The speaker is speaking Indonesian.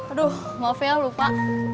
aduh maaf ya lupa